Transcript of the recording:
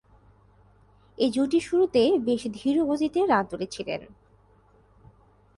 এ জুটি শুরুতে বেশ ধীরগতিতে রান তুলেছিলেন।